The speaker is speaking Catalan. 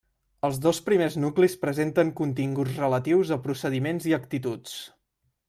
Els dos primers nuclis presenten continguts relatius a procediments i actituds.